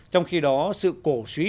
trong khi đó sự cổ suy